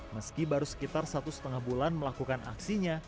meski baru sekitar satu setengah bulan melakukan aksinya